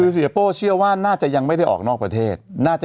คือเสียโป้เชื่อว่าน่าจะยังไม่ได้ออกนอกประเทศน่าจะ